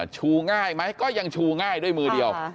ชูง่ายไหมก็ยังชูง่ายด้วยมือเดียว